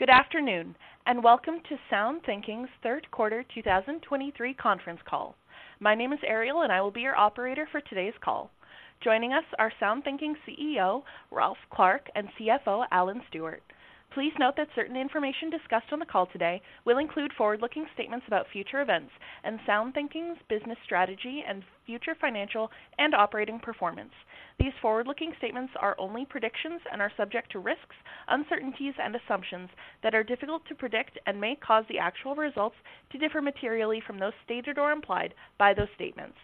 Good afternoon, and welcome to SoundThinking's third quarter 2023 conference call. My name is Ariel, and I will be your operator for today's call. Joining us are SoundThinking's CEO, Ralph Clark, and CFO, Alan Stewart. Please note that certain information discussed on the call today will include forward-looking statements about future events and SoundThinking's business strategy and future financial and operating performance. These forward-looking statements are only predictions and are subject to risks, uncertainties, and assumptions that are difficult to predict and may cause the actual results to differ materially from those stated or implied by those statements.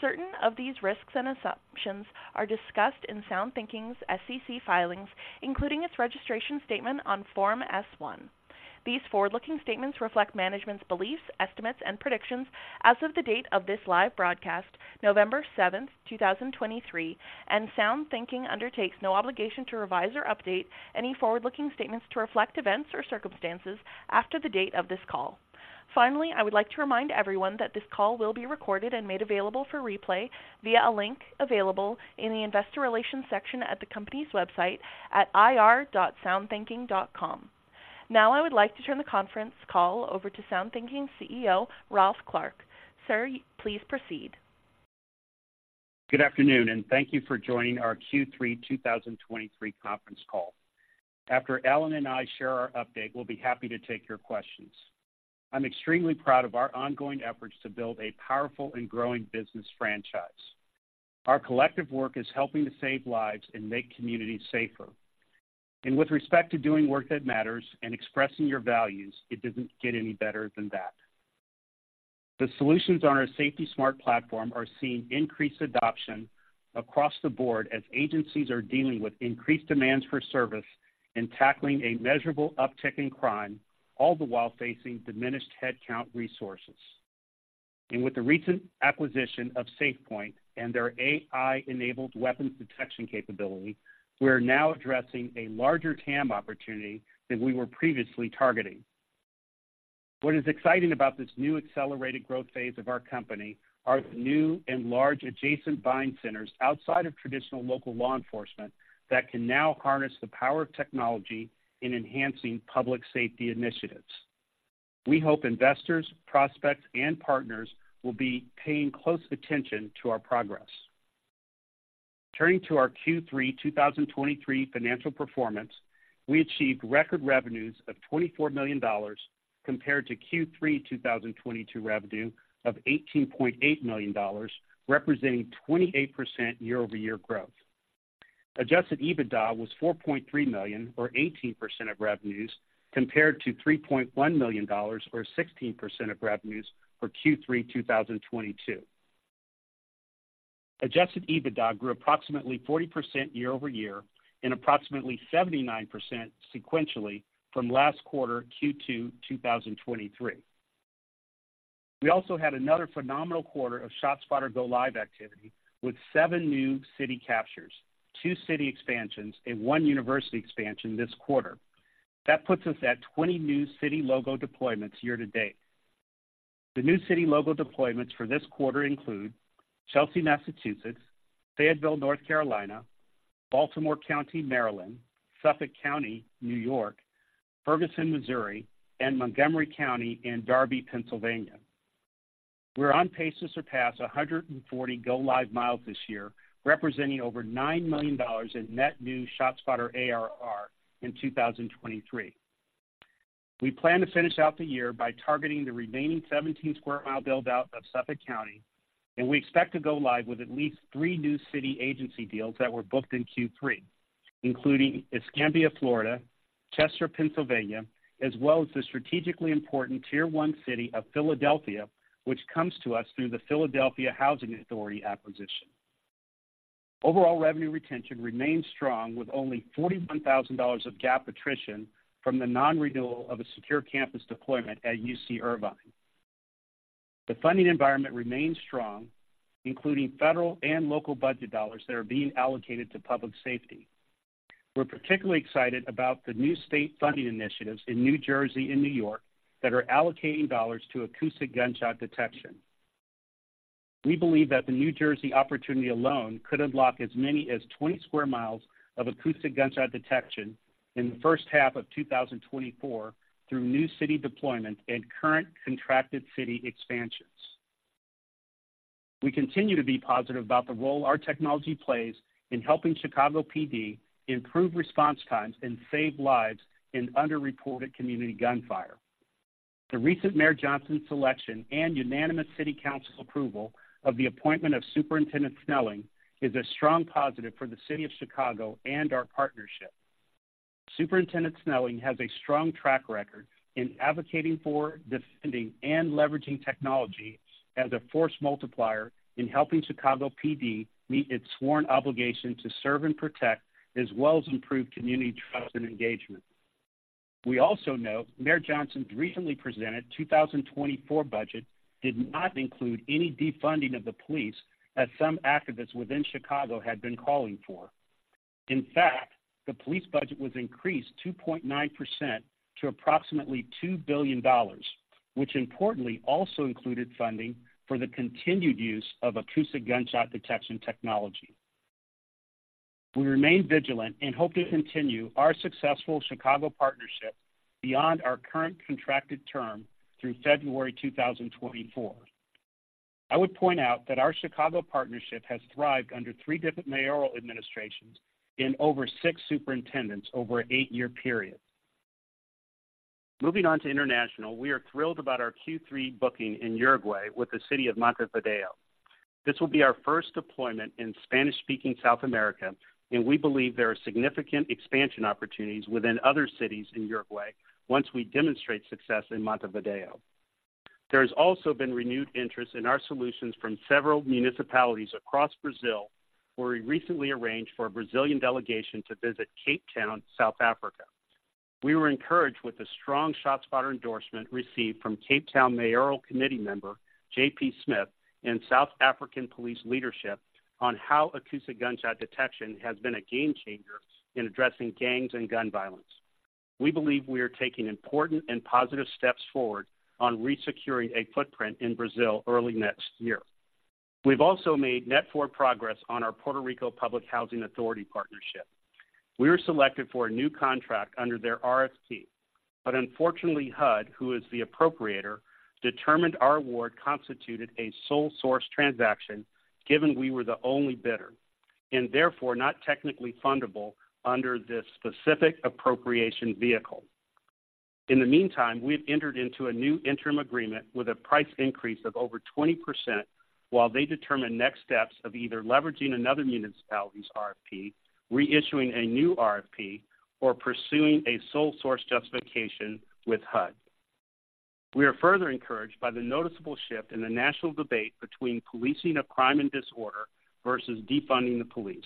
Certain of these risks and assumptions are discussed in SoundThinking's SEC filings, including its registration statement on Form S-1. These forward-looking statements reflect management's beliefs, estimates, and predictions as of the date of this live broadcast, November 7th, 2023, and SoundThinking undertakes no obligation to revise or update any forward-looking statements to reflect events or circumstances after the date of this call. Finally, I would like to remind everyone that this call will be recorded and made available for replay via a link available in the Investor Relations section at the company's website at ir.soundthinking.com. Now, I would like to turn the conference call over to SoundThinking's CEO, Ralph Clark. Sir, please proceed. Good afternoon, and thank you for joining our Q3 2023 conference call. After Alan and I share our update, we'll be happy to take your questions. I'm extremely proud of our ongoing efforts to build a powerful and growing business franchise. Our collective work is helping to save lives and make communities safer. And with respect to doing work that matters and expressing your values, it doesn't get any better than that. The solutions on our SafetySmart platform are seeing increased adoption across the board as agencies are dealing with increased demands for service and tackling a measurable uptick in crime, all the while facing diminished headcount resources. And with the recent acquisition of SafePointe and their AI-enabled weapons detection capability, we are now addressing a larger TAM opportunity than we were previously targeting. What is exciting about this new accelerated growth phase of our company are the new and large adjacent buying centers outside of traditional local law enforcement that can now harness the power of technology in enhancing public safety initiatives. We hope investors, prospects, and partners will be paying close attention to our progress. Turning to our Q3 2023 financial performance, we achieved record revenues of $24 million compared to Q3 2022 revenue of $18.8 million, representing 28% year-over-year growth. Adjusted EBITDA was $4.3 million, or 18% of revenues, compared to $3.1 million, or 16% of revenues for Q3 2022. Adjusted EBITDA grew approximately 40% year-over-year and approximately 79% sequentially from last quarter, Q2 2023. We also had another phenomenal quarter of ShotSpotter go live activity, with seven new city captures, two city expansions, and one university expansion this quarter. That puts us at 20 new city logo deployments year to date. The new city logo deployments for this quarter include Chelsea, Massachusetts, Fayetteville, North Carolina, Baltimore County, Maryland, Suffolk County, New York, Ferguson, Missouri, and Montgomery County and Darby, Pennsylvania. We're on pace to surpass 140 go live miles this year, representing over $9 million in net new ShotSpotter ARR in 2023. We plan to finish out the year by targeting the remaining 17 sq mi build-out of Suffolk County, and we expect to go live with at least three new city agency deals that were booked in Q3, including Escambia, Florida, Chester, Pennsylvania, as well as the strategically important tier one city of Philadelphia, which comes to us through the Philadelphia Housing Authority acquisition. Overall revenue retention remains strong, with only $41,000 of GAAP attrition from the non-renewal of a secure campus deployment at UC Irvine. The funding environment remains strong, including federal and local budget dollars that are being allocated to public safety. We're particularly excited about the new state funding initiatives in New Jersey and New York that are allocating dollars to acoustic gunshot detection. We believe that the New Jersey opportunity alone could unlock as many as 20 sq mi of acoustic gunshot detection in the first half of 2024 through new city deployment and current contracted city expansions. We continue to be positive about the role our technology plays in helping Chicago PD improve response times and save lives in underreported community gunfire. The recent Mayor Johnson's election and unanimous City Council approval of the appointment of Superintendent Snelling is a strong positive for the city of Chicago and our partnership. Superintendent Snelling has a strong track record in advocating for, defending, and leveraging technology as a force multiplier in helping Chicago PD meet its sworn obligation to serve and protect, as well as improve community trust and engagement. We also note Mayor Johnson's recently presented 2024 budget did not include any defunding of the police, as some activists within Chicago had been calling for. In fact, the police budget was increased 2.9% to approximately $2 billion, which importantly also included funding for the continued use of acoustic gunshot detection technology. We remain vigilant and hope to continue our successful Chicago partnership beyond our current contracted term through February 2024. I would point out that our Chicago partnership has thrived under three different mayoral administrations and over six superintendents over an eight-year period. Moving on to international, we are thrilled about our Q3 booking in Uruguay with the city of Montevideo. This will be our first deployment in Spanish-speaking South America, and we believe there are significant expansion opportunities within other cities in Uruguay once we demonstrate success in Montevideo. There has also been renewed interest in our solutions from several municipalities across Brazil, where we recently arranged for a Brazilian delegation to visit Cape Town, South Africa. We were encouraged with the strong ShotSpotter endorsement received from Cape Town mayoral committee member J.P. Smith, and South African police leadership on how acoustic gunshot detection has been a game changer in addressing gangs and gun violence. We believe we are taking important and positive steps forward on resecuring a footprint in Brazil early next year. We've also made net forward progress on our Puerto Rico Public Housing Authority partnership. We were selected for a new contract under their RFP, but unfortunately, HUD, who is the appropriator, determined our award constituted a sole source transaction, given we were the only bidder, and therefore not technically fundable under this specific appropriation vehicle. In the meantime, we've entered into a new interim agreement with a price increase of over 20%, while they determine next steps of either leveraging another municipality's RFP, reissuing a new RFP, or pursuing a sole source justification with HUD. We are further encouraged by the noticeable shift in the national debate between policing of crime and disorder versus defunding the police.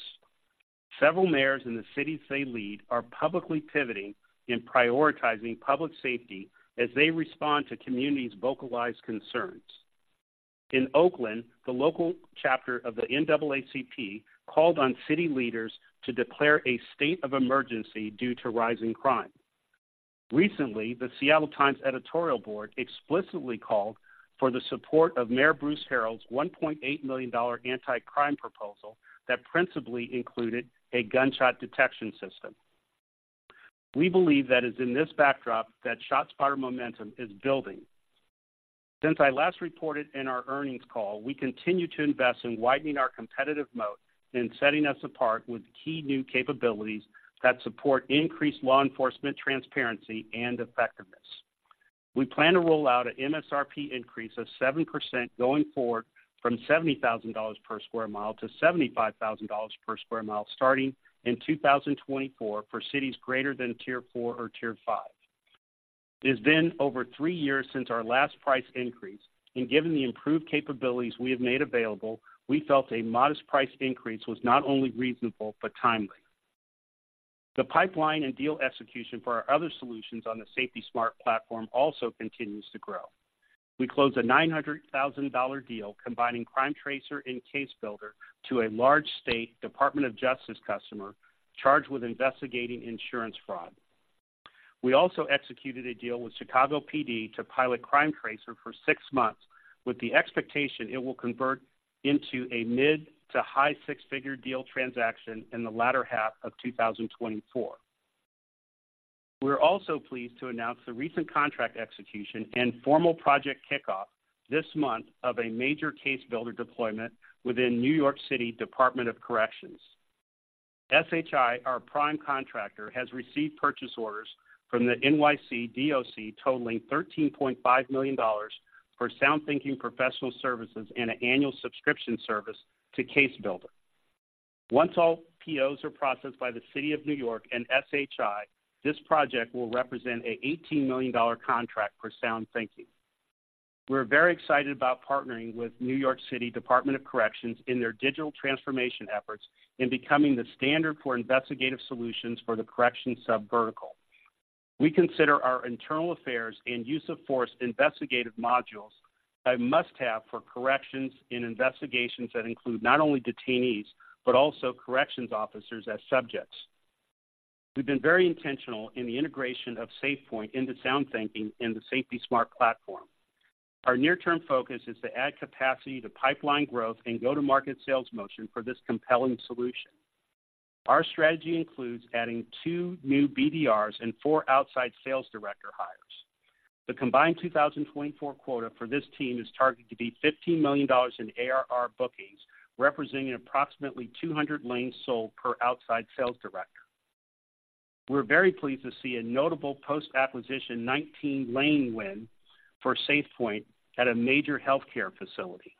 Several mayors in the cities they lead are publicly pivoting in prioritizing public safety as they respond to communities' vocalized concerns. In Oakland, the local chapter of the NAACP called on city leaders to declare a state of emergency due to rising crime. Recently, the Seattle Times editorial board explicitly called for the support of Mayor Bruce Harrell's $1.8 million anti-crime proposal that principally included a gunshot detection system. We believe that it's in this backdrop that ShotSpotter momentum is building. Since I last reported in our earnings call, we continue to invest in widening our competitive moat and setting us apart with key new capabilities that support increased law enforcement, transparency, and effectiveness. We plan to roll out an MSRP increase of 7% going forward from $70,000 per sq mi-$75,000 per sq mi, starting in 2024 for cities greater than tier four or tier five. It has been over three years since our last price increase, and given the improved capabilities we have made available, we felt a modest price increase was not only reasonable but timely. The pipeline and deal execution for our other solutions on the SafetySmart Platform also continues to grow. We closed a $900,000 deal combining CrimeTracer and CaseBuilder to a large state Department of Justice customer charged with investigating insurance fraud. We also executed a deal with Chicago PD to pilot CrimeTracer for six months, with the expectation it will convert into a mid to high six-figure deal transaction in the latter half of 2024. We're also pleased to announce the recent contract execution and formal project kickoff this month of a major CaseBuilder deployment within New York City Department of Corrections. SHI, our prime contractor, has received purchase orders from the NYC DOC totaling $13.5 million for SoundThinking professional services and an annual subscription service to CaseBuilder. Once all POs are processed by the City of New York and SHI, this project will represent a $18 million contract for SoundThinking. We're very excited about partnering with New York City Department of Corrections in their digital transformation efforts in becoming the standard for investigative solutions for the corrections subvertical. We consider our internal affairs and use of force investigative modules a must-have for corrections in investigations that include not only detainees, but also corrections officers as subjects. We've been very intentional in the integration of SafePointe into SoundThinking and the SafetySmart Platform. Our near-term focus is to add capacity to pipeline growth and go-to-market sales motion for this compelling solution. Our strategy includes adding two new BDRs and four outside sales director hires. The combined 2024 quota for this team is targeted to be $15 million in ARR bookings, representing approximately 200 lanes sold per outside sales director. We're very pleased to see a notable post-acquisition 19-lane win for SafePointe at a major healthcare facility.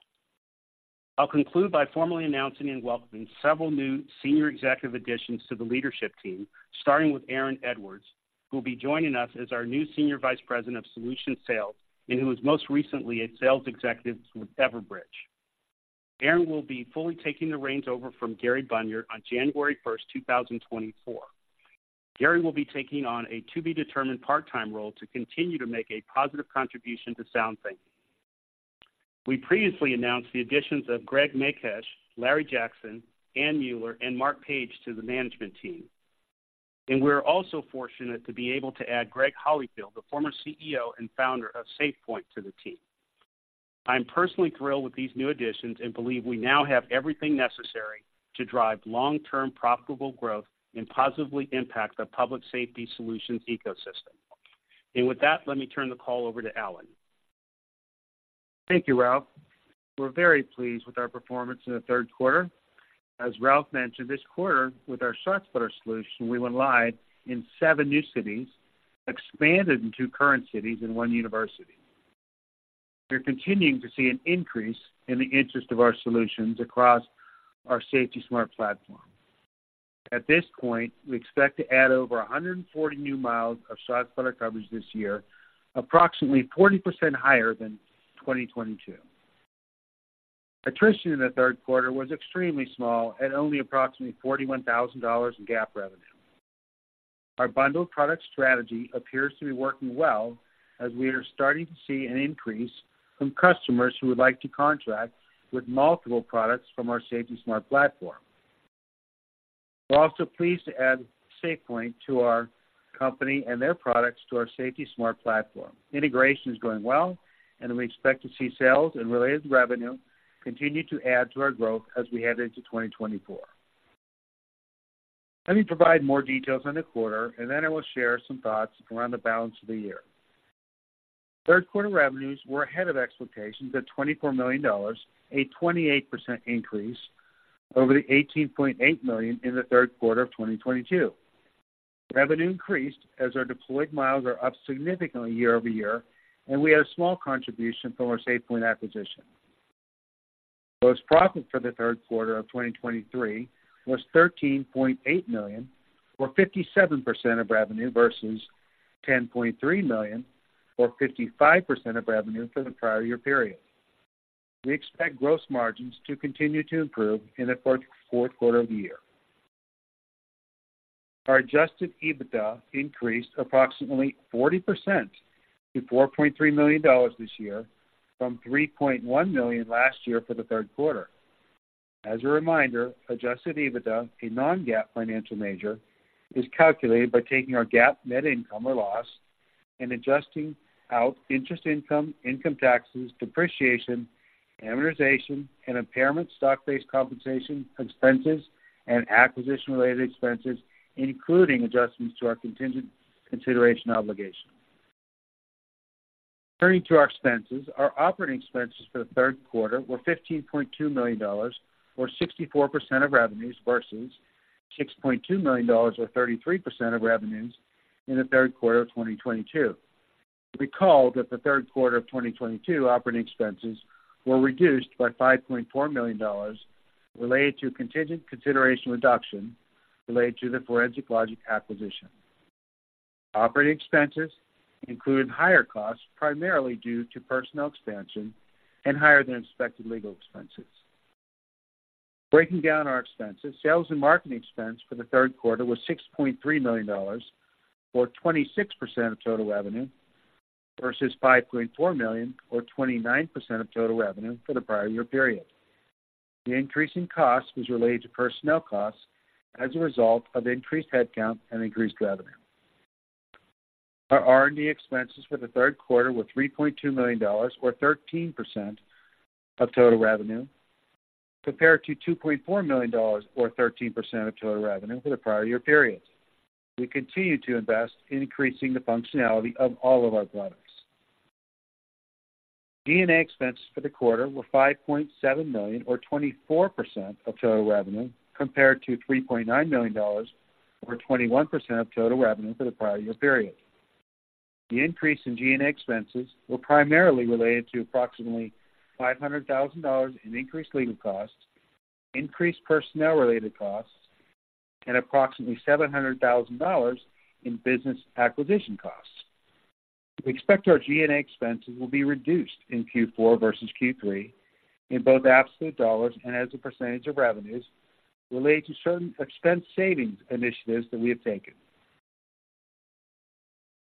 I'll conclude by formally announcing and welcoming several new senior executive additions to the leadership team, starting with Aaron Edwards, who will be joining us as our new Senior Vice President of Solution Sales, and who was most recently a sales executive with Everbridge. Aaron will be fully taking the reins over from Gary Bunyard on January 1st, 2024. Gary will be taking on a to-be-determined part-time role to continue to make a positive contribution to SoundThinking. We previously announced the additions of Gregg Makuch, Larry Jackson, Anne Mueller, and Mark Page to the management team. And we're also fortunate to be able to add Greg Holifield, the former CEO and founder of SafePointe, to the team. I'm personally thrilled with these new additions and believe we now have everything necessary to drive long-term profitable growth and positively impact the public safety solutions ecosystem. And with that, let me turn the call over to Alan. Thank you, Ralph. We're very pleased with our performance in the third quarter. As Ralph mentioned, this quarter, with our ShotSpotter solution, we went live in seven new cities, expanded in two current cities and one university. We're continuing to see an increase in the interest of our solutions across our SafetySmart platform. At this point, we expect to add over 140 new miles of ShotSpotter coverage this year, approximately 40% higher than 2022. Attrition in the third quarter was extremely small at only approximately $41,000 in GAAP revenue. Our bundled product strategy appears to be working well as we are starting to see an increase from customers who would like to contract with multiple products from our SafetySmart platform. We're also pleased to add SafePointe to our company and their products to our SafetySmart platform. Integration is going well, and we expect to see sales and related revenue continue to add to our growth as we head into 2024. Let me provide more details on the quarter, and then I will share some thoughts around the balance of the year. Third quarter revenues were ahead of expectations at $24 million, a 28% increase over the $18.8 million in the third quarter of 2022. Revenue increased as our deployed miles are up significantly year-over-year, and we had a small contribution from our SafePointe acquisition. Gross profit for the third quarter of 2023 was $13.8 million, or 57% of revenue, versus $10.3 million or 55% of revenue for the prior year period. We expect gross margins to continue to improve in the fourth quarter of the year. Our Adjusted EBITDA increased approximately 40% to $4.3 million this year from $3.1 million last year for the third quarter. As a reminder, Adjusted EBITDA, a non-GAAP financial measure, is calculated by taking our GAAP net income or loss and adjusting out interest, income, income taxes, depreciation, amortization, and impairment, stock-based compensation expenses, and acquisition-related expenses, including adjustments to our contingent consideration obligation. Turning to our expenses, our operating expenses for the third quarter were $15.2 million, or 64% of revenues, versus $6.2 million, or 33% of revenues in the third quarter of 2022. Recall that the third quarter of 2022 operating expenses were reduced by $5.4 million related to contingent consideration reduction related to the Forensic Logic acquisition. Operating expenses included higher costs, primarily due to personnel expansion and higher than expected legal expenses. Breaking down our expenses, sales and marketing expense for the third quarter was $6.3 million, or 26% of total revenue, versus $5.4 million, or 29% of total revenue for the prior year period. The increase in cost was related to personnel costs as a result of increased headcount and increased revenue. Our R&D expenses for the third quarter were $3.2 million, or 13% of total revenue, compared to $2.4 million, or 13% of total revenue for the prior year period. We continue to invest in increasing the functionality of all of our products. G&A expenses for the quarter were $5.7 million, or 24% of total revenue, compared to $3.9 million, or 21% of total revenue for the prior year period. The increase in G&A expenses were primarily related to approximately $500,000 in increased legal costs, increased personnel-related costs, and approximately $700,000 in business acquisition costs. We expect our G&A expenses will be reduced in Q4 versus Q3 in both absolute dollars and as a percentage of revenues related to certain expense savings initiatives that we have taken.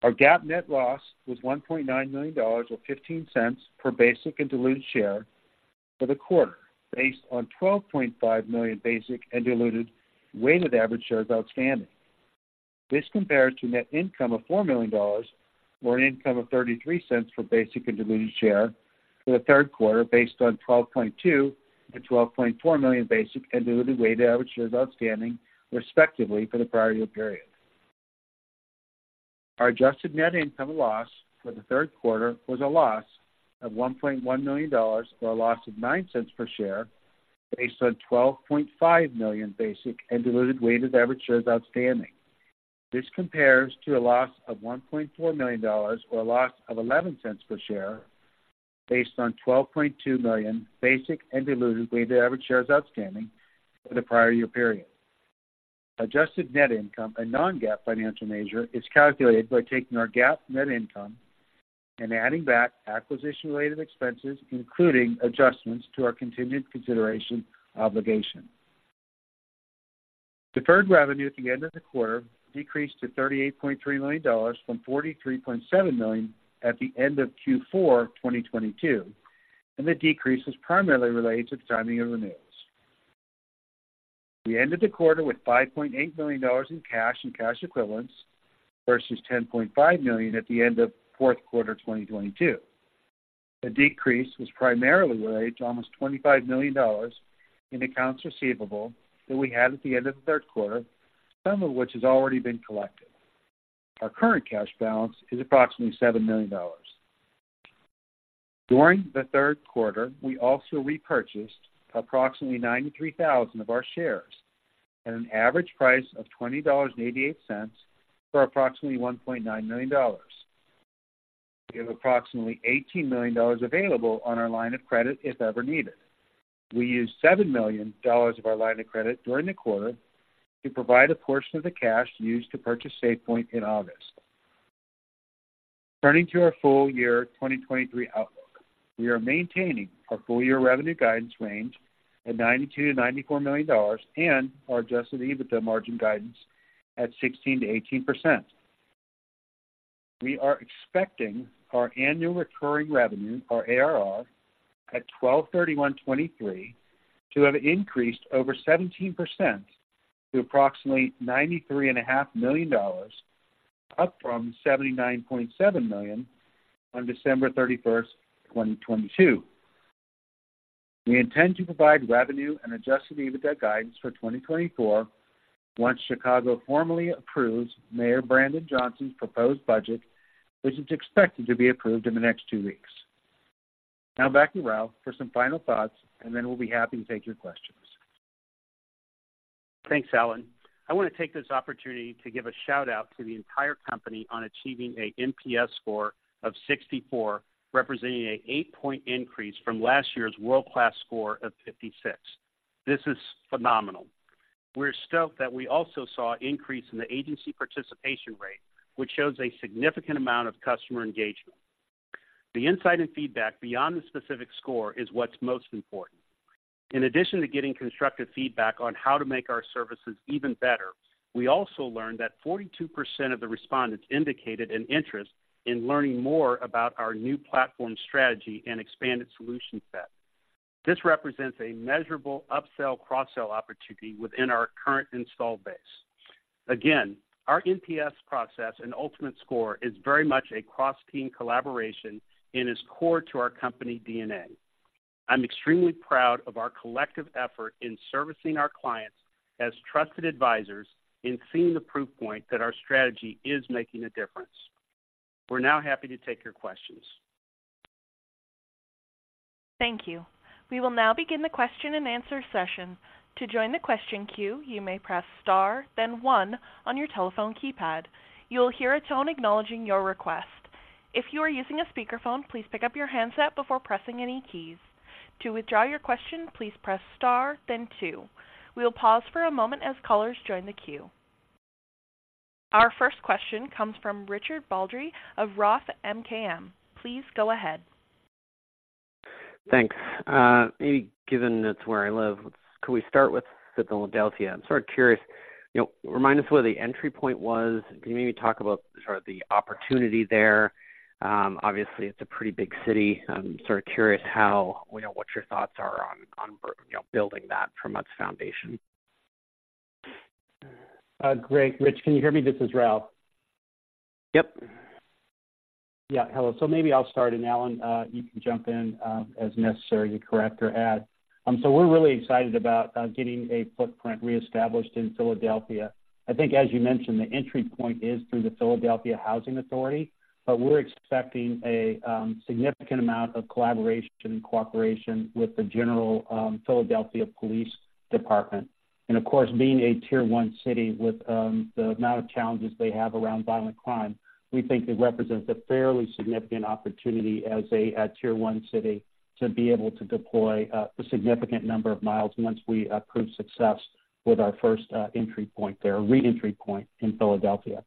Our GAAP net loss was $1.9 million, or $0.15 per basic and diluted share for the quarter, based on 12.5 million basic and diluted weighted average shares outstanding. This compares to net income of $4 million, or an income of $0.33 for basic and diluted share for the third quarter, based on 12.2-12.4 million basic and diluted weighted average shares outstanding, respectively, for the prior year period. Our adjusted net income loss for the third quarter was a loss of $1.1 million, or a loss of $0.09 per share, based on 12.5 million basic and diluted weighted average shares outstanding. This compares to a loss of $1.4 million, or a loss of $0.11 per share, based on 12.2 million basic and diluted weighted average shares outstanding for the prior year period. Adjusted net income and non-GAAP financial measure is calculated by taking our GAAP net income and adding back acquisition-related expenses, including adjustments to our continued consideration obligation. Deferred revenue at the end of the quarter decreased to $38.3 million from $43.7 million at the end of Q4 2022, and the decrease was primarily related to the timing of renewals. We ended the quarter with $5.8 million in cash and cash equivalents, versus $10.5 million at the end of fourth quarter, 2022. The decrease was primarily related to almost $25 million in accounts receivable that we had at the end of the third quarter, some of which has already been collected. Our current cash balance is approximately $7 million. During the third quarter, we also repurchased approximately 93,000 of our shares at an average price of $20.88 for approximately $1.9 million. We have approximately $18 million available on our line of credit, if ever needed. We used $7 million of our line of credit during the quarter to provide a portion of the cash used to purchase SafePointe in August. Turning to our full year 2023 outlook, we are maintaining our full-year revenue guidance range at $92 million-$94 million and our Adjusted EBITDA margin guidance at 16%-18%. We are expecting our annual recurring revenue, our ARR, at December 31, 2023, to have increased over 17% to approximately $93.5 million, up from $79.7 million on December 31st, 2022. We intend to provide revenue and Adjusted EBITDA guidance for 2024 once Chicago formally approves Mayor Brandon Johnson's proposed budget, which is expected to be approved in the next two weeks. Now back to Ralph for some final thoughts, and then we'll be happy to take your questions. Thanks, Alan. I want to take this opportunity to give a shout-out to the entire company on achieving a NPS score of 64, representing an eight-point increase from last year's world-class score of 56. This is phenomenal. We're stoked that we also saw an increase in the agency participation rate, which shows a significant amount of customer engagement. The insight and feedback beyond the specific score is what's most important. In addition to getting constructive feedback on how to make our services even better, we also learned that 42% of the respondents indicated an interest in learning more about our new platform strategy and expanded solution set. This represents a measurable upsell, cross-sell opportunity within our current installed base. Again, our NPS process and ultimate score is very much a cross-team collaboration and is core to our company DNA. I'm extremely proud of our collective effort in servicing our clients as trusted advisors and seeing the proof point that our strategy is making a difference. We're now happy to take your questions. Thank you. We will now begin the question-and-answer session. To join the question queue, you may press star, then one on your telephone keypad. You will hear a tone acknowledging your request. If you are using a speakerphone, please pick up your handset before pressing any keys. To withdraw your question, please press star then two. We will pause for a moment as callers join the queue. Our first question comes from Richard Baldry of Roth MKM. Please go ahead. Thanks. Maybe given it's where I live, could we start with Philadelphia? I'm sort of curious. You know, remind us where the entry point was. Can you maybe talk about sort of the opportunity there? Obviously, it's a pretty big city. I'm sort of curious how, you know, what your thoughts are on building that from its foundation. Great. Rich, can you hear me? This is Ralph. Yep. Yeah. Hello. So maybe I'll start, and, Alan, you can jump in, as necessary to correct or add. We're really excited about getting a footprint reestablished in Philadelphia. I think, as you mentioned, the entry point is through the Philadelphia Housing Authority, but we're expecting a significant amount of collaboration and cooperation with the general Philadelphia Police Department. Of course, being a tier one city with the amount of challenges they have around violent crime, we think it represents a fairly significant opportunity as a tier one city to be able to deploy a significant number of miles once we approve success with our first entry point there, or re-entry point in Philadelphia.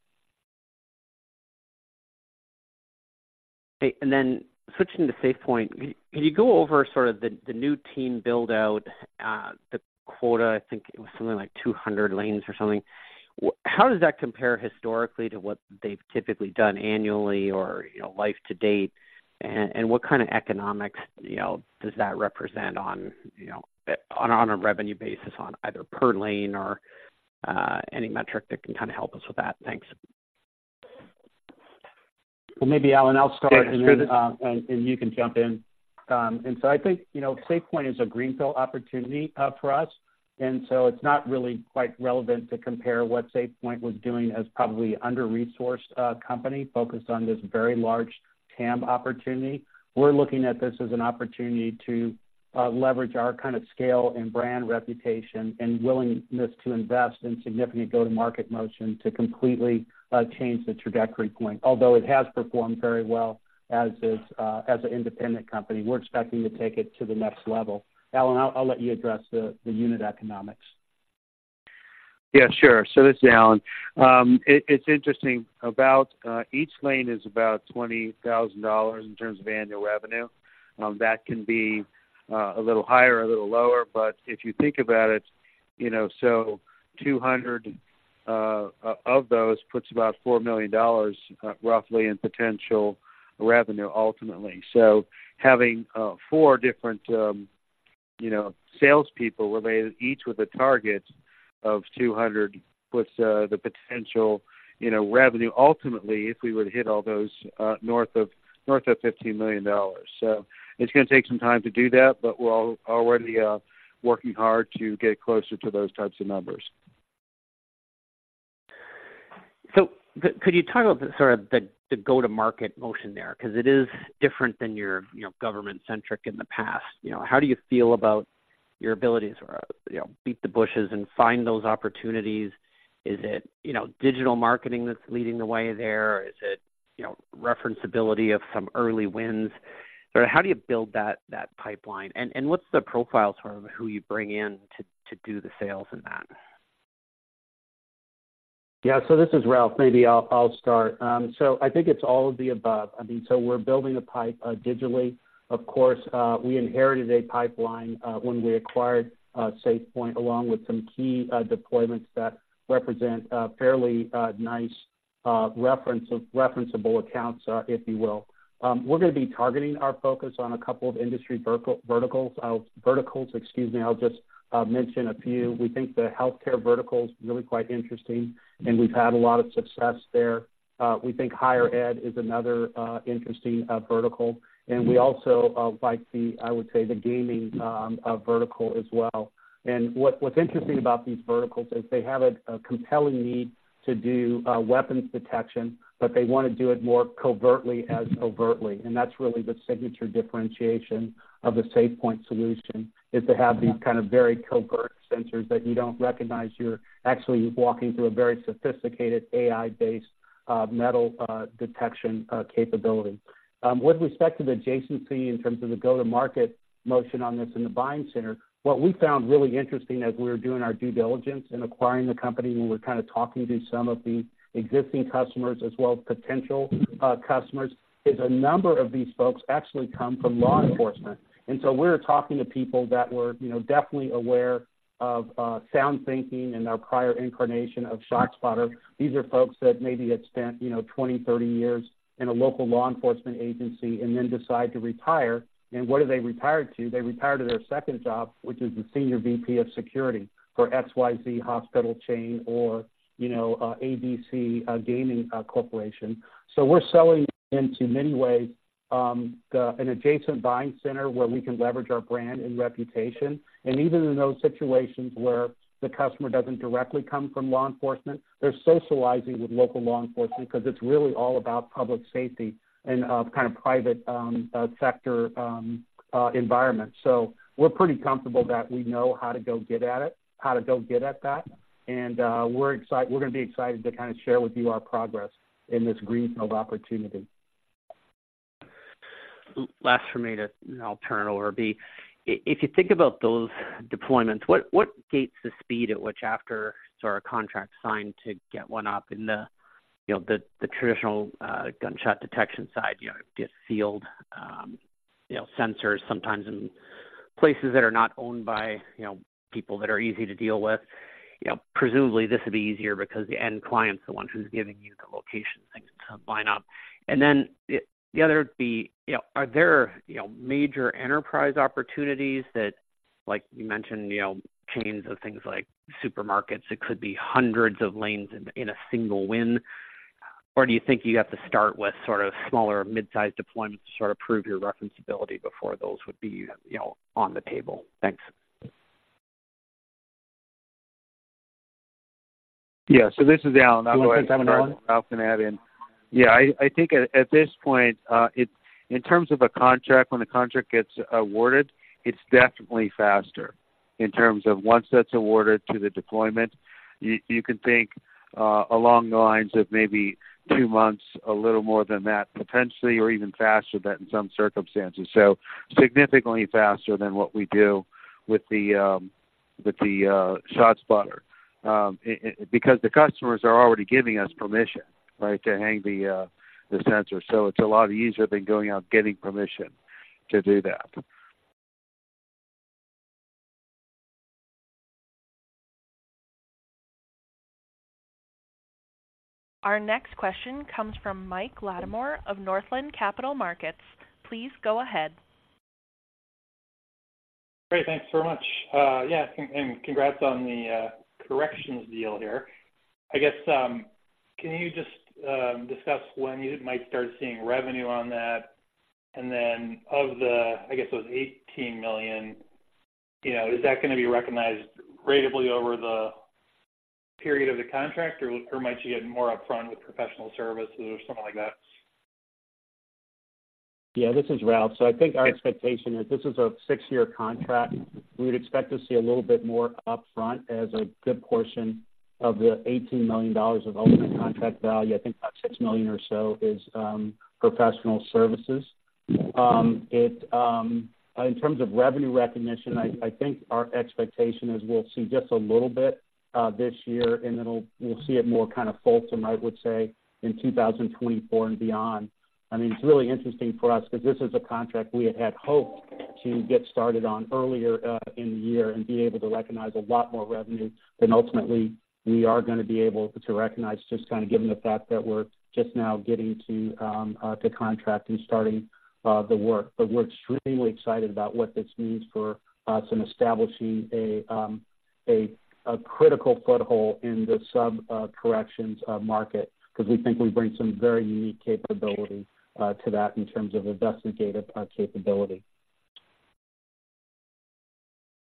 Okay, and then switching to SafePointe, can you go over sort of the, the new team build-out, the quota? I think it was something like 200 lanes or something. How does that compare historically to what they've typically done annually or, you know, life to date? And, and what kind of economics, you know, does that represent on, you know, on a revenue basis, on either per lane or any metric that can kind of help us with that? Thanks. Well, maybe, Alan, I'll start- Okay. and you can jump in. And so I think, you know, SafePointe is a greenfield opportunity for us, and so it's not really quite relevant to compare what SafePointe was doing as probably an under-resourced company focused on this very large TAM opportunity. We're looking at this as an opportunity to leverage our kind of scale and brand reputation and willingness to invest in significant go-to-market motion to completely change the trajectory point. Although it has performed very well as an independent company, we're expecting to take it to the next level. Alan, I'll let you address the unit economics. Yeah, sure. So this is Alan. It's interesting, about each lane is about $20,000 in terms of annual revenue. That can be a little higher or a little lower, but if you think about it, you know, 200 of those puts about $4 million, roughly in potential revenue ultimately. So having four different, you know, salespeople related each with a target of 200 puts the potential, you know, revenue ultimately, if we were to hit all those, north of $15 million. So it's gonna take some time to do that, but we're already working hard to get closer to those types of numbers. So could you talk about sort of the go-to-market motion there, because it is different than your, you know, government-centric in the past. You know, how do you feel about your abilities or, you know, beat the bushes and find those opportunities? Is it, you know, digital marketing that's leading the way there, or is it, you know, referenceability of some early wins? Sort of how do you build that pipeline? And what's the profile sort of who you bring in to do the sales in that? Yeah. So this is Ralph. Maybe I'll, I'll start. So I think it's all of the above. I mean, so we're building a pipe, digitally. Of course, we inherited a pipeline, when we acquired SafePointe, along with some key deployments that represent a fairly nice referenceable accounts, if you will. We're gonna be targeting our focus on a couple of industry verticals, excuse me, I'll just mention a few. We think the healthcare vertical is really quite interesting, and we've had a lot of success there. We think higher ed is another interesting vertical, and we also like the, I would say, the gaming vertical as well. And what's interesting about these verticals is they have a compelling need to do weapons detection, but they wanna do it more covertly as overtly. And that's really the signature differentiation of the SafePointe solution, is to have these kind of very covert sensors that you don't recognize you're actually walking through a very sophisticated AI-based metal detection capability. With respect to the adjacency in terms of the go-to-market motion on this in the buying center, what we found really interesting as we were doing our due diligence in acquiring the company, and we're kind of talking to some of the existing customers as well as potential customers, is a number of these folks actually come from law enforcement. And so we're talking to people that were, you know, definitely aware of SoundThinking and our prior incarnation of ShotSpotter. These are folks that maybe had spent, you know, 20, 30 years in a local law enforcement agency and then decide to retire. And what do they retire to? They retire to their second job, which is the senior VP of security for XYZ hospital chain or, you know, ABC gaming corporation. So we're selling into many ways, the an adjacent buying center where we can leverage our brand and reputation. And even in those situations where the customer doesn't directly come from law enforcement, they're socializing with local law enforcement because it's really all about public safety and kind of private sector environment. So we're pretty comfortable that we know how to go get at it, how to go get at that, and we're excited. We're gonna be excited to kind of share with you our progress in this greenfield opportunity. Last for me, then I'll turn it over. If you think about those deployments, what gates the speed at which after sort of contract signed to get one up in the, you know, the traditional gunshot detection side, you know, get sealed, you know, sensors sometimes in places that are not owned by, you know, people that are easy to deal with. You know, presumably this would be easier because the end client's the one who's giving you the location, things to line up. And then the other would be, you know, are there, you know, major enterprise opportunities that, like you mentioned, you know, chains of things like supermarkets, it could be hundreds of lanes in a single win. Or do you think you have to start with sort of smaller mid-sized deployments to sort of prove your referenceability before those would be, you know, on the table? Thanks. Yeah. So this is Alan. I'm gonna add in. Yeah, I think at this point in terms of a contract, when the contract gets awarded, it's definitely faster. In terms of once that's awarded to the deployment, you can think along the lines of maybe two months, a little more than that, potentially, or even faster than in some circumstances. So significantly faster than what we do with the ShotSpotter, because the customers are already giving us permission, right, to hang the sensor. So it's a lot easier than going out getting permission to do that. Our next question comes from Mike Latimore of Northland Capital Markets. Please go ahead. Great. Thanks so much. Yeah, and congrats on the corrections deal here. I guess, can you just discuss when you might start seeing revenue on that? And then of the, I guess, those $18 million, you know, is that gonna be recognized ratably over the period of the contract, or might you get more upfront with professional services or something like that? Yeah, this is Ralph. So I think our expectation is this is a six-year contract. We would expect to see a little bit more upfront as a good portion of the $18 million of ultimate contract value. I think about $6 million or so is professional services. In terms of revenue recognition, I think our expectation is we'll see just a little bit this year, and then we'll see it more kind of fulsome, I would say, in 2024 and beyond. I mean, it's really interesting for us because this is a contract we had hoped to get started on earlier in the year and be able to recognize a lot more revenue than ultimately we are gonna be able to recognize, just kind of given the fact that we're just now getting to the contract and starting the work. But we're extremely excited about what this means for us in establishing a critical foothold in the sub corrections market, because we think we bring some very unique capability to that in terms of investigative capability.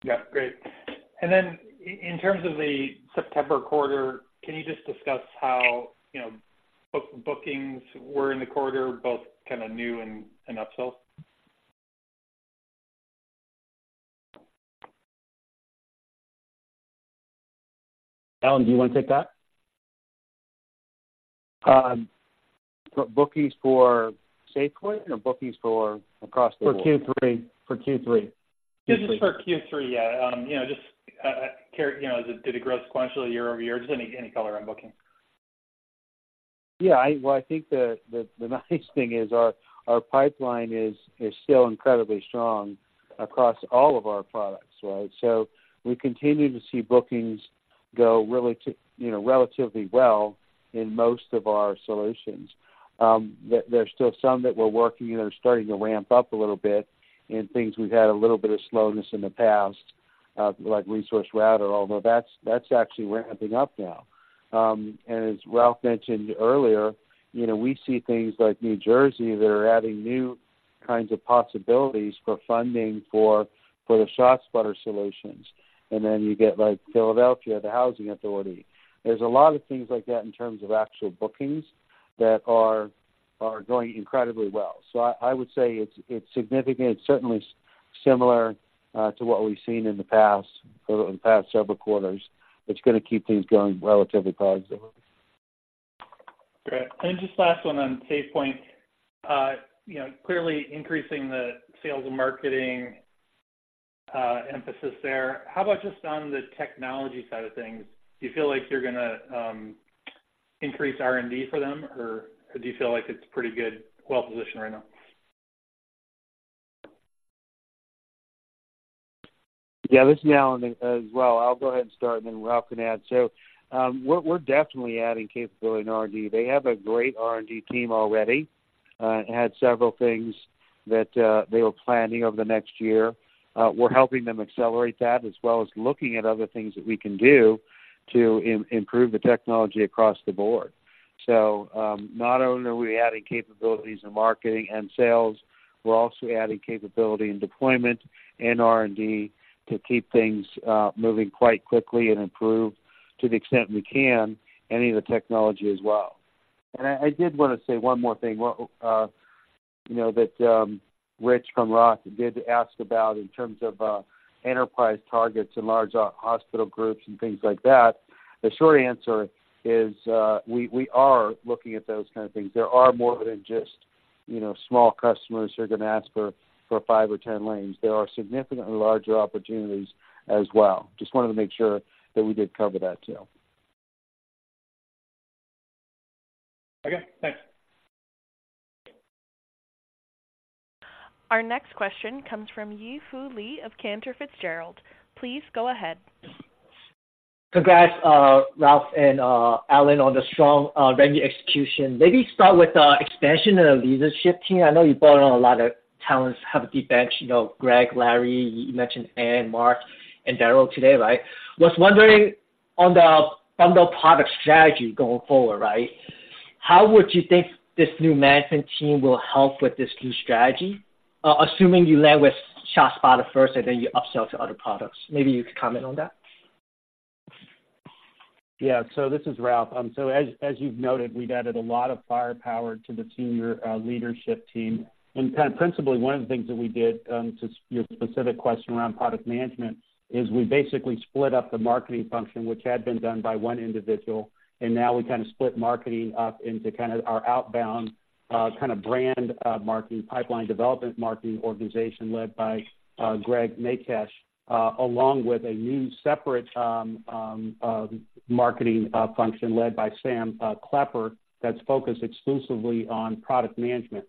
Yeah, great. And then in terms of the September quarter, can you just discuss how, you know, bookings were in the quarter, both kind of new and upsell? Alan, do you want to take that? Bookings for SafePointe or bookings for across the board? For Q3. For Q3. Just for Q3, yeah. You know, just, you know, did it grow sequentially year over year? Just any color on booking. Yeah, well, I think the nice thing is our pipeline is still incredibly strong across all of our products, right? So we continue to see bookings go really to, you know, relatively well in most of our solutions. There are still some that we're working and are starting to ramp up a little bit, and things we've had a little bit of slowness in the past, like ResourceRouter, although that's actually ramping up now. And as Ralph mentioned earlier, you know, we see things like New Jersey that are adding new kinds of possibilities for funding for the ShotSpotter solutions. And then you get, like, Philadelphia Housing Authority. There's a lot of things like that in terms of actual bookings that are going incredibly well. So I would say it's significant. It's certainly similar to what we've seen in the past, or in the past several quarters. It's gonna keep things going relatively positive. Great. And just last one on SafePointe. You know, clearly increasing the sales and marketing emphasis there. How about just on the technology side of things, do you feel like you're gonna increase R&D for them, or do you feel like it's pretty good, well-positioned right now? Yeah, this is Alan, as well. I'll go ahead and start, and then Ralph can add. So, we're, we're definitely adding capability in R&D. They have a great R&D team already, and had several things that, they were planning over the next year. We're helping them accelerate that, as well as looking at other things that we can do to improve the technology across the board. So, not only are we adding capabilities in marketing and sales, we're also adding capability in deployment and R&D to keep things moving quite quickly and improve, to the extent we can, any of the technology as well. And I, I did want to say one more thing. Well, you know, that, Rich from Roth did ask about in terms of, enterprise targets and large hospital groups and things like that. The short answer is, we are looking at those kind of things. There are more than just, you know, small customers who are going to ask for five or ten lanes. There are significantly larger opportunities as well. Just wanted to make sure that we did cover that, too. Okay, thanks. Our next question comes from Yi Fu Lee of Cantor Fitzgerald. Please go ahead. Congrats, Ralph and, Alan, on the strong, revenue execution. Maybe start with the expansion of the leadership team. I know you brought on a lot of talents, have a deep bench. You know, Greg, Larry, you mentioned Ann, Mark and Daryl today, right? Was wondering on the bundle product strategy going forward, right, how would you think this new management team will help with this new strategy? Assuming you land with ShotSpotter first, and then you upsell to other products. Maybe you could comment on that. Yeah. So this is Ralph. So as you've noted, we've added a lot of firepower to the senior leadership team. And kind of principally, one of the things that we did to your specific question around product management is we basically split up the marketing function, which had been done by one individual, and now we kind of split marketing up into kind of our outbound kind of brand marketing, pipeline development marketing organization led by Gregg Makuch along with a new separate marketing function led by Sam Klepper, that's focused exclusively on product management.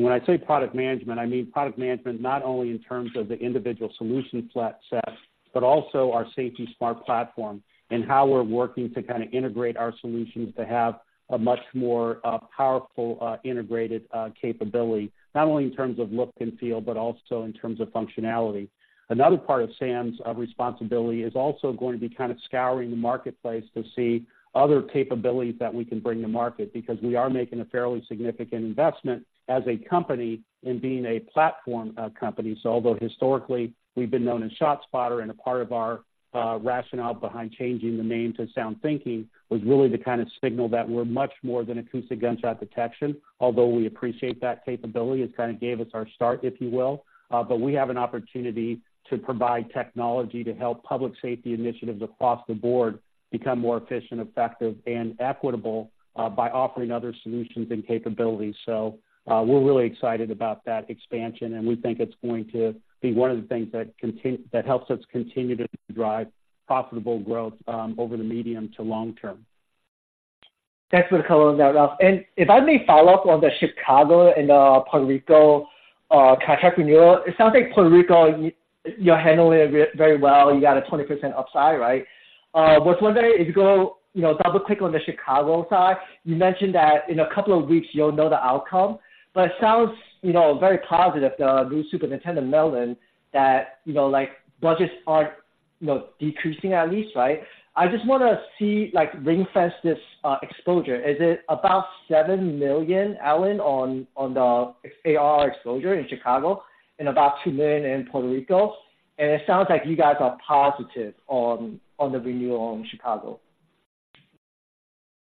When I say product management, I mean product management, not only in terms of the individual solution platform sets, but also our SafetySmart platform and how we're working to kind of integrate our solutions to have a much more, powerful, integrated, capability, not only in terms of look and feel, but also in terms of functionality. Another part of Sam's, responsibility is also going to be kind of scouring the marketplace to see other capabilities that we can bring to market, because we are making a fairly significant investment as a company in being a platform, company. So although historically we've been known as ShotSpotter, and a part of our, rationale behind changing the name to SoundThinking, was really to kind of signal that we're much more than acoustic gunshot detection. Although we appreciate that capability, it kind of gave us our start, if you will. But we have an opportunity to provide technology to help public safety initiatives across the board become more efficient, effective, and equitable, by offering other solutions and capabilities. So, we're really excited about that expansion, and we think it's going to be one of the things that helps us continue to drive profitable growth, over the medium to long term. Thanks for the color on that, Ralph. And if I may follow up on the Chicago and Puerto Rico contract renewal, it sounds like Puerto Rico, you, you're handling it very, very well. You got a 20% upside, right? But one day, if you go, you know, double-click on the Chicago side, you mentioned that in a couple of weeks you'll know the outcome. But it sounds, you know, very positive, the new Superintendent Snelling, that, you know, like, budgets aren't, you know, decreasing at least, right? I just wanna see, like, ring-fence this exposure. Is it about $7 million, Alan, on the ARR exposure in Chicago and about $2 million in Puerto Rico? And it sounds like you guys are positive on the renewal in Chicago.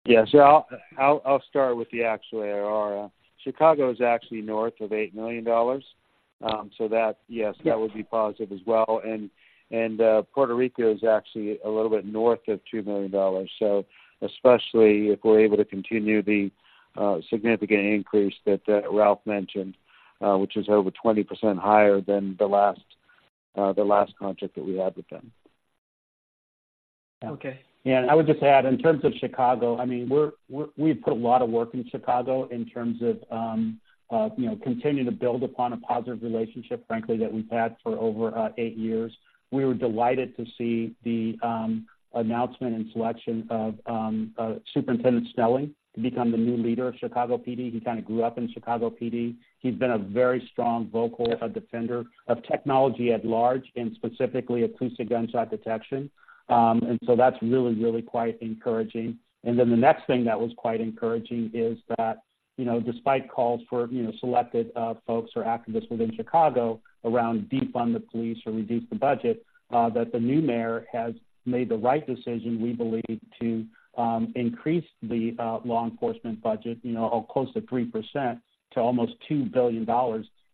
Yeah. So I'll start with the actual ARR. Chicago is actually north of $8 million. So that, yes, that would be positive as well. And Puerto Rico is actually a little bit north of $2 million. So especially if we're able to continue the significant increase that Ralph mentioned, which is over 20% higher than the last contract that we had with them. Okay. Yeah, and I would just add, in terms of Chicago, I mean, we're—we've put a lot of work in Chicago in terms of, you know, continuing to build upon a positive relationship, frankly, that we've had for over eight years. We were delighted to see the announcement and selection of Superintendent Snelling to become the new leader of Chicago PD. He kind of grew up in Chicago PD. He's been a very strong vocal defender of technology at large, and specifically acoustic gunshot detection. And so that's really, really quite encouraging. And then the next thing that was quite encouraging is that, you know, despite calls for, you know, selected folks or activists within Chicago around defund the police or reduce the budget, that the new mayor has made the right decision, we believe, to increase the law enforcement budget, you know, close to 3% to almost $2 billion.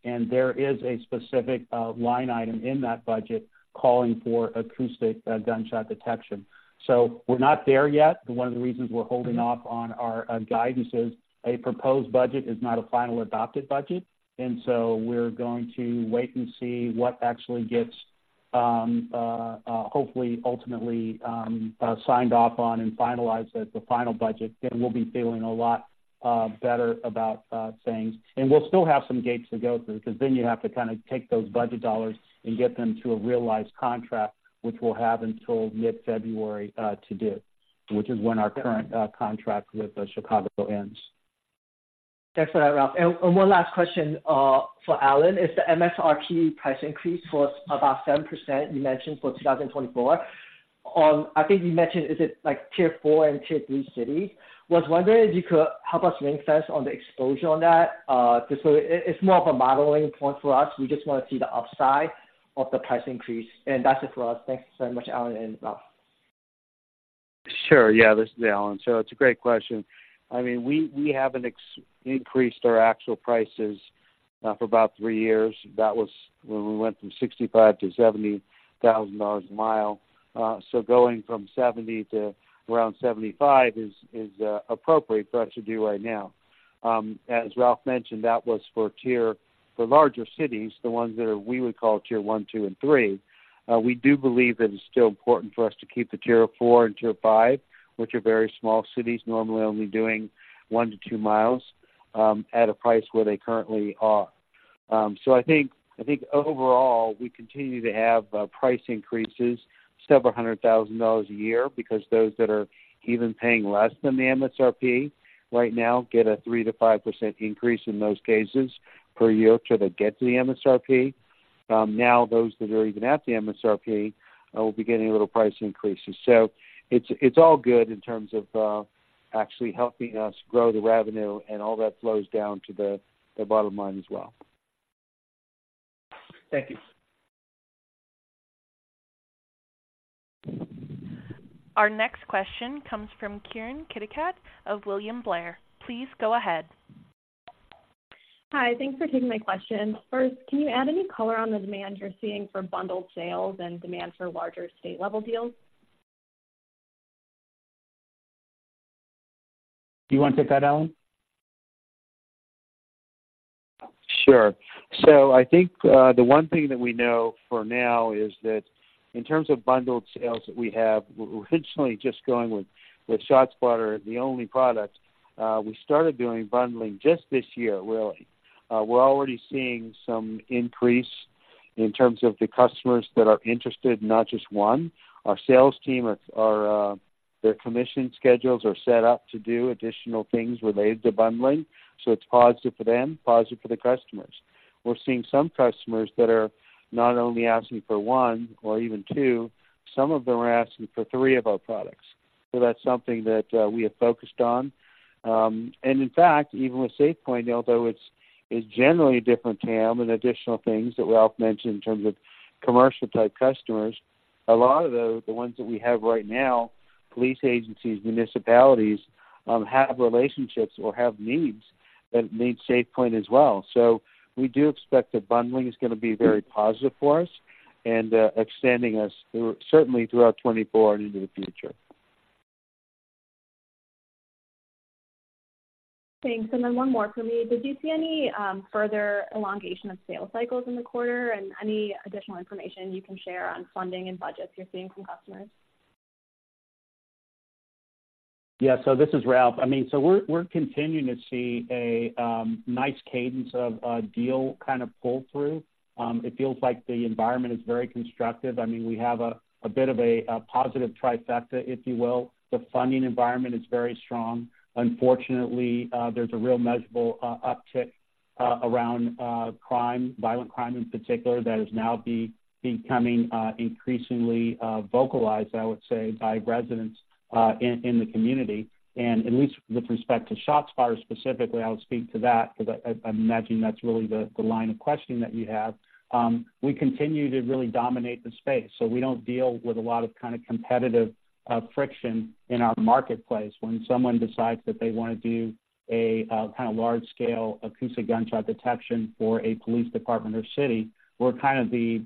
And there is a specific line item in that budget calling for acoustic gunshot detection. So we're not there yet. One of the reasons we're holding off on our guidance is a proposed budget is not a final adopted budget. And so we're going to wait and see what actually gets hopefully ultimately signed off on and finalized as the final budget. Then we'll be feeling a lot better about things. We'll still have some gates to go through, because then you have to kind of take those budget dollars and get them to a realized contract, which we'll have until mid-February to do, which is when our current contract with Chicago ends. Thanks for that, Ralph. And one last question for Alan. Is the MSRP price increase was about 7%, you mentioned for 2024? I think you mentioned is it like tier four and tier three cities. Was wondering if you could help us ring-fence on the exposure on that. Just so it, it's more of a modeling point for us. We just want to see the upside of the price increase. And that's it for us. Thanks so much, Alan and Ralph. Sure. Yeah, this is Alan. So it's a great question. I mean, we haven't increased our actual prices for about three years. That was when we went from $65,000 to $70,000 a mile. So going from $70,000 to around $75,000 is appropriate for us to do right now. As Ralph mentioned, that was for larger cities, the ones that are we would call tier one, two, and three. We do believe that it's still important for us to keep the tier four and tier five, which are very small cities, normally only doing one to two miles, at a price where they currently are. So I think, I think overall, we continue to have price increases several hundred thousand dollars a year, because those that are even paying less than the MSRP right now get a 3%-5% increase in those cases per year till they get to the MSRP. Now those that are even at the MSRP will be getting a little price increases. So it's, it's all good in terms of actually helping us grow the revenue and all that flows down to the bottom line as well. Thank you. Our next question comes from Kieran Kuttickat of William Blair. Please go ahead. Hi, thanks for taking my question. First, can you add any color on the demand you're seeing for bundled sales and demand for larger state-level deals? Do you want to take that, Alan? Sure. So I think, the one thing that we know for now is that in terms of bundled sales that we have, we're originally just going with ShotSpotter, the only product. We started doing bundling just this year, really. We're already seeing some increase in terms of the customers that are interested, not just one. Our sales team are, their commission schedules are set up to do additional things related to bundling, so it's positive for them, positive for the customers. We're seeing some customers that are not only asking for one or even two, some of them are asking for three of our products. So that's something that, we have focused on. And in fact, even with SafePointe, although it's, it's generally a different TAM and additional things that Ralph mentioned in terms of commercial type customers, a lot of those, the ones that we have right now, police agencies, municipalities, have relationships or have needs that need SafePointe as well. So we do expect that bundling is gonna be very positive for us and, extending us through, certainly throughout 2024 and into the future. Thanks. And then one more for me. Did you see any further elongation of sales cycles in the quarter, and any additional information you can share on funding and budgets you're seeing from customers? Yeah, so this is Ralph. I mean, so we're continuing to see a nice cadence of deal kind of pull-through. It feels like the environment is very constructive. I mean, we have a bit of a positive trifecta, if you will. The funding environment is very strong. Unfortunately, there's a real measurable uptick around crime, violent crime in particular, that is now becoming increasingly vocalized, I would say, by residents in the community. And at least with respect to shots fired specifically, I'll speak to that, 'cause I imagine that's really the line of questioning that you have. We continue to really dominate the space, so we don't deal with a lot of kind of competitive friction in our marketplace. When someone decides that they wanna do a kind of large-scale acoustic gunshot detection for a police department or city, we're kind of the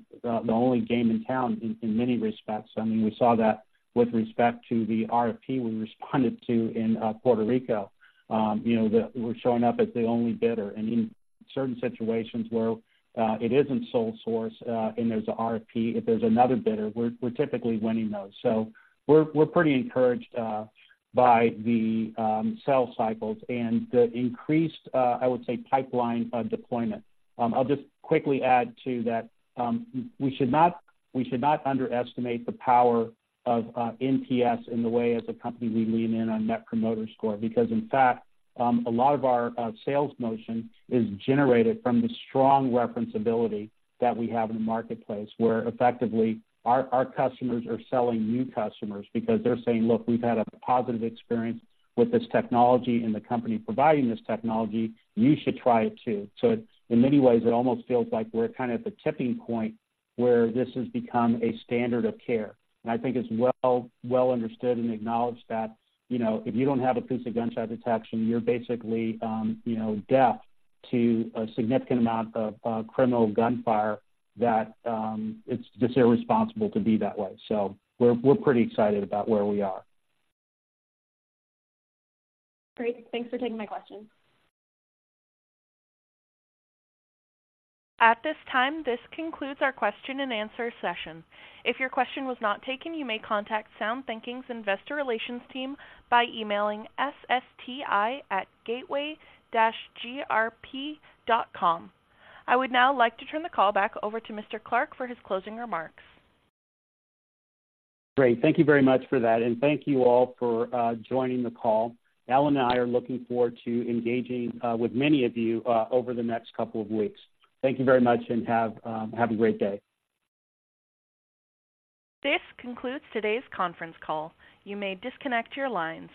only game in town in many respects. I mean, we saw that with respect to the RFP we responded to in Puerto Rico. You know, we're showing up as the only bidder. In certain situations where it isn't sole source and there's a RFP, if there's another bidder, we're typically winning those. So we're pretty encouraged by the sales cycles and the increased, I would say, pipeline of deployment. I'll just quickly add, too, that we should not underestimate the power of NPS in the way as a company we lean in on Net Promoter Score. Because, in fact, a lot of our, sales motion is generated from the strong referenceability that we have in the marketplace, where effectively our customers are selling new customers because they're saying: "Look, we've had a positive experience with this technology and the company providing this technology, you should try it, too." So it's in many ways, it almost feels like we're kind of at the tipping point where this has become a standard of care. And I think it's well, well understood and acknowledged that, you know, if you don't have acoustic gunshot detection, you're basically, you know, deaf to a significant amount of, criminal gunfire, that, it's just irresponsible to be that way. So we're, we're pretty excited about where we are. Great. Thanks for taking my question. At this time, this concludes our question and answer session. If your question was not taken, you may contact SoundThinking's investor relations team by emailing ssti@gateway-grp.com. I would now like to turn the call back over to Mr. Clark for his closing remarks. Great. Thank you very much for that, and thank you all for joining the call. Alan and I are looking forward to engaging with many of you over the next couple of weeks. Thank you very much, and have a great day. This concludes today's conference call. You may disconnect your lines.